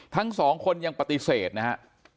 ทั้งสองคนยังปฏิเสธนะฮะ